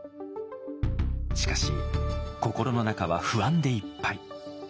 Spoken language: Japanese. しかし心の中は不安でいっぱい。